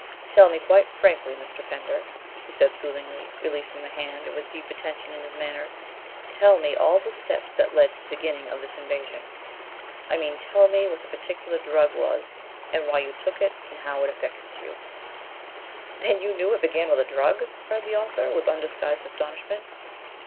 "Tell me quite frankly, Mr. Pender," he said soothingly, releasing the hand, and with deep attention in his manner, "tell me all the steps that led to the beginning of this invasion. I mean tell me what the particular drug was, and why you took it, and how it affected you " "Then you know it began with a drug!" cried the author, with undisguised astonishment.